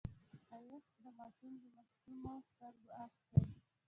ښایست د ماشوم د معصومو سترګو عکس دی